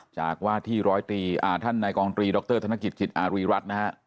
จากว่าที่ท่านนายกองตรีดรธนกิจจิตอารีรัฐนะฮะ